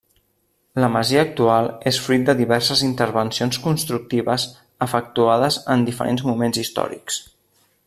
La masia actual és fruit de diverses intervencions constructives efectuades en diferents moments històrics.